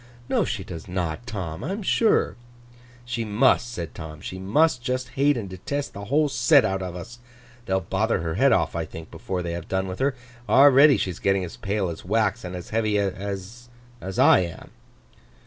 'No, she does not, Tom, I am sure!' 'She must,' said Tom. 'She must just hate and detest the whole set out of us. They'll bother her head off, I think, before they have done with her. Already she's getting as pale as wax, and as heavy as—I am.